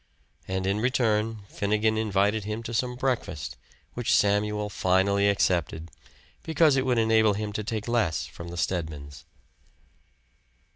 And in return Finnegan invited him to some breakfast, which Samuel finally accepted, because it would enable him to take less from the Stedmans.